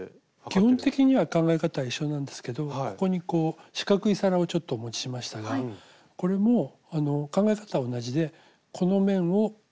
基本的には考え方は一緒なんですけどここにこう四角い皿をちょっとお持ちしましたがこれも考え方は同じでこの面を形を同じように測る。